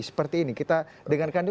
seperti ini kita dengarkan juga